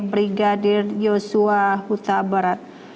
brigadir joshua huta barat